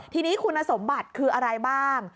ทีนี้คุณสมบัติคืออะไรบ้าง